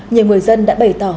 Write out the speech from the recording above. nhiều người dân đã bày tỏ